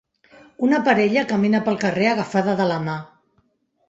Una parella camina pel carrer agafada de la mà.